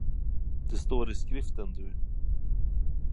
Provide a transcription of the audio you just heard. Det står i Skriften du.